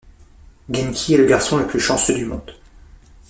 Genki est le garçon le plus chanceux du monde.